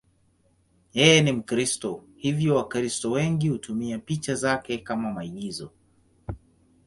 Yeye ni Mkristo, hivyo Wakristo wengi hutumia picha zake katika maigizo.